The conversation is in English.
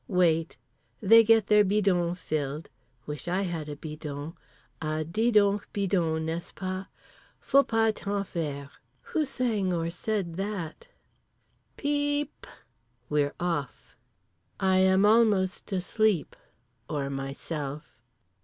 Wait. They get their bidons filled. Wish I had a bidon, a dis donc bidon n'est ce pas. Faut pas t'en faire, who sang or said that? PEE p…. We're off. I am almost asleep. Or myself.